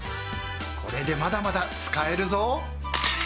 これでまだまだ使えるぞ